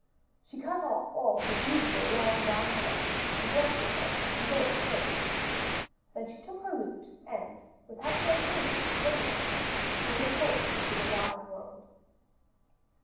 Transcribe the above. She cut off all her beautiful long brown hair and dressed herself in boy's clothes. Then she took her lute and, without saying anything to anyone, she went forth into the wide world.